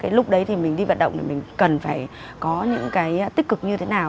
cái lúc đấy thì mình đi vận động thì mình cần phải có những cái tích cực như thế nào